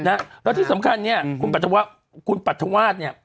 แล้วที่สำคัญเนี่ยคุณปรัฐวาสเนี่ย